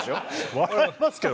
笑いますけど。